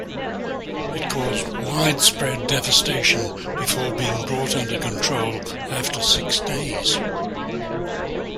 It caused widespread devastation, before being brought under control after six days.